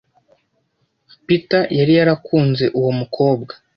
Peter yari yarakunze uwo mukobwa.